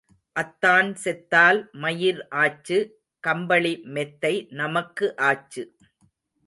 அத்தான் செத்தால் மயிர் ஆச்சு கம்பளி மெத்தை நமக்கு ஆச்சு.